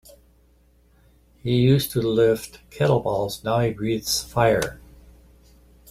He used to lift kettlebells now he breathes fire.